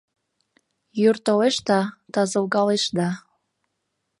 Йӱр толеш да, тазылгалеш да